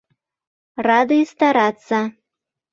Рады стараться!